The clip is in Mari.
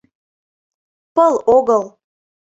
— Пыл огыл.